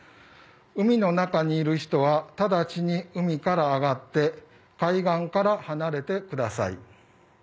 海の中にいる人は直ちに海から上がって海岸から離れてください。